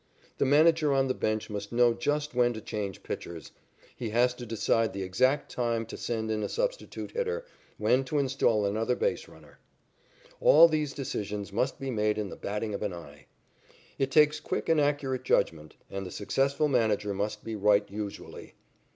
The manager on the bench must know just when to change pitchers. He has to decide the exact time to send in a substitute hitter, when to install another base runner. All these decisions must be made in the "batting" of an eye. It takes quick and accurate judgment, and the successful manager must be right usually.